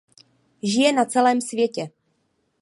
Žije na celém světě.